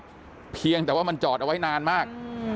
เรื่องการใช้งานเพียงแต่ว่ามันจอดเอาไว้นานมาก